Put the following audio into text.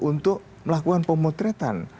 untuk melakukan pemotretan